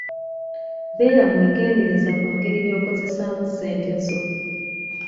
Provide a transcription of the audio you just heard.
Beera mwegendereza ku ngeri gy'okozesaamu ssente zo.